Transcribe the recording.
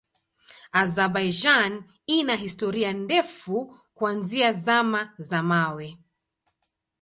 Azerbaijan ina historia ndefu kuanzia Zama za Mawe.